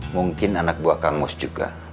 mungkin anak buah kangos juga